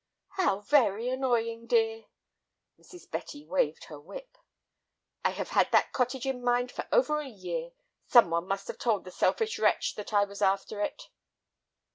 "How very annoying, dear!" Mrs. Betty waved her whip. "I have had that cottage in mind for over a year. Some one must have told the selfish wretch that I was after it."